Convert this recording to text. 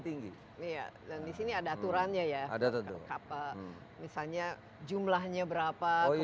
tinggi dan di sini ada aturan nya ya ada taturan kapal misalnya jumlahnya berapa